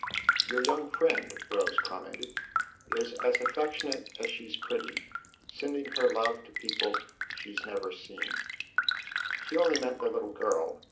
" II "YOUR young friend," Rose commented, "is as affectionate as she's pretty: sending her love to people she has never seen !"" She only meant the little girl.